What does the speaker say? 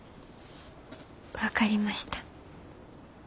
分かりました。